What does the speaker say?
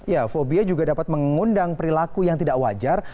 ya fobia juga dapat mengundang perilaku yang tidak wajar